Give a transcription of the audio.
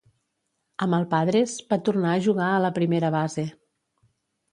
Amb el Padres, va tornar a jugar a la primera base.